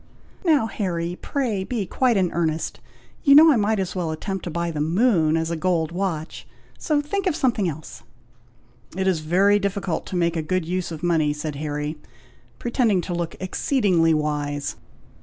"Now, Harry, pray be quite in earnest. You know I might as well attempt to buy the moon as a gold watch; so think of something else." "It is very difficult to make a good use of money," said Harry, pretending to look exceedingly wise.